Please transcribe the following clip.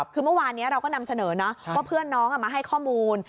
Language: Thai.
คือเมื่อวานนี้เราก็นำเสนอนะว่าเพื่อนน้องมาให้ข้อมูล